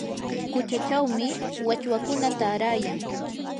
quchachawmi wachwakuna taarayan.